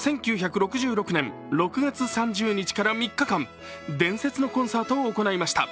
１９６６年６月３０日から３日間、伝説のコンサートを行いました。